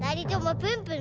プンプン！